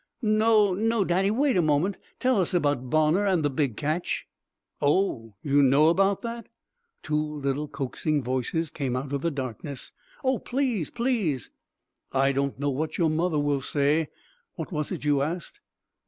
"No, no, Daddy; wait a moment! Tell us about Bonner and the big catch." "Oh, you know about that!" Two little coaxing voices came out of the darkness. "Oh, please! Please!" "I don't know what your mother will say! What was it you asked?"